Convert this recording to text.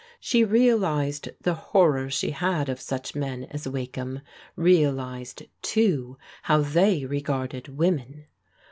She realized the horror she had of such men as Wakeham ; realized, too, how they regarded women.